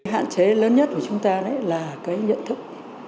hạn chế lớn nhất của chúng ta là cái nhận thức